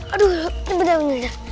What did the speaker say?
aduh ini beda beda